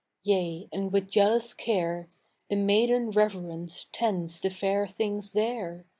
Yea, and with Jealous care The maiden Reverence tends the fair things there.